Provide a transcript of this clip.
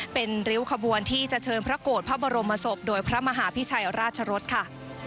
เป็นริ้วขบวนที่จะเชิญพระโกรธพระบรมศพโดยพระมหาพิชัยราชรสค่ะ